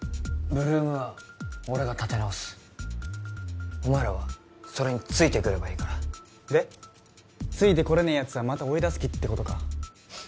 ８ＬＯＯＭは俺が立て直すお前らはそれについてくればいいからでついてこれねえやつはまた追い出す気ってことか？